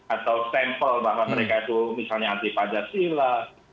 atau sampel bahwa mereka itu misalnya anti pancasila